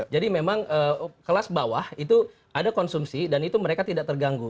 jadi memang kelas bawah itu ada konsumsi dan itu mereka tidak terganggu